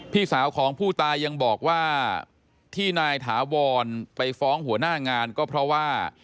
พี่สาวของผู้ตายยังบอกว่าที่นายถาวรไปฟ้องหัวหน้างานก็เพราะว่า